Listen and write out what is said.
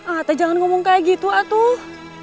atau jangan ngomong kayak gitu atuh